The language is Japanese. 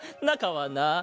なかはな